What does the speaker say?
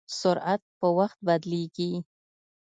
سرعت په وخت بدلېږي.